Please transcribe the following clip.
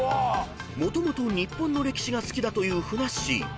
［もともと日本の歴史が好きだというふなっしー］